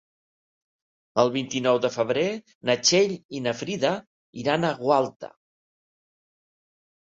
El vint-i-nou de febrer na Txell i na Frida iran a Gualta.